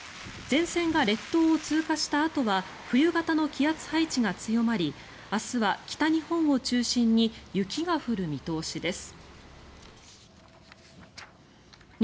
前線が列島を通過したあとは冬型の気圧配置が強まり明日は北日本を中心に雪が降る見通しです。